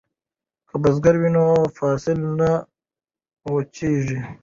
که بزګر وي نو فصل نه وچیږي.